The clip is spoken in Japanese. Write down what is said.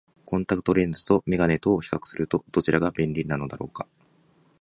コンタクトレンズと眼鏡とを比較すると、どちらが便利なのだろうか。